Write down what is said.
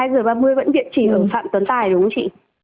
hai giờ ba mươi vẫn địa chỉ ở phạm tuấn tài đúng không chị